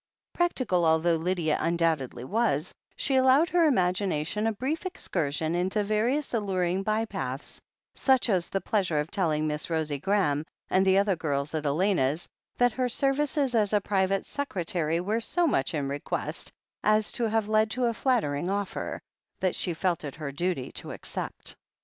Practical although Lydia undoubtedly was, she al lowed her imagination a brief excursion into various alluring by paths, such as the pleasure of telling Miss Rosie Graham and the other girls at Elena's that her services as a private secretary were so much in request as to have led to a flattering offer, that she felt it her duty to accept.